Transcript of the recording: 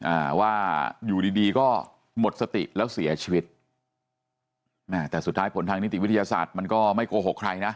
อ่าว่าอยู่ดีดีก็หมดสติแล้วเสียชีวิตแม่แต่สุดท้ายผลทางนิติวิทยาศาสตร์มันก็ไม่โกหกใครนะ